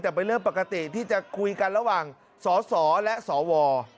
แต่เป็นเรื่องปกติที่จะคุยกันระหว่างสสและสว